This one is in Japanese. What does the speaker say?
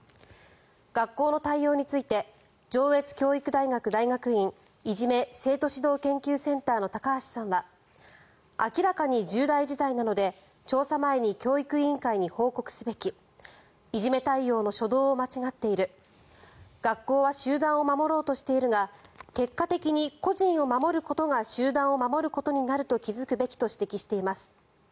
学校の対応について上越教育大学大学院いじめ・生徒指導研究センターの高橋さんは明らかに重大事態なので調査前に教育委員会に報告すべきいじめ対応の初動を間違っている学校は集団を守ろうとしているが結果的に個人を守ることが集団を守ることになると気付くべきと指摘しています。